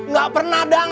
enggak pernah dang